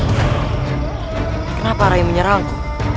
kenapa rayu menyerahku